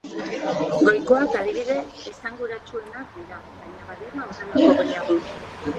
Goikoak adibide esanguratsuenak dira, baina badira horrelako gehiago.